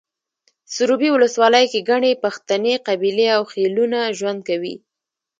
سروبي ولسوالۍ کې ګڼې پښتنې قبیلې او خيلونه ژوند کوي